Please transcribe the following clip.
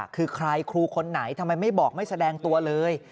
คือใครครูคนไหนทำไมไม่บอกไม่แสดงตัวเลย